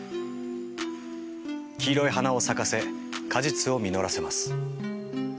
黄色い花を咲かせ果実を実らせます。